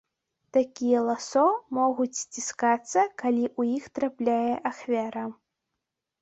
Такія ласо могуць сціскацца, калі ў іх трапляе ахвяра.